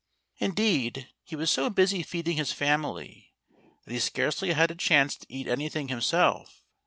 Indeed, he was so busy feeding his family that he scarcely had a chance to eat anything himself.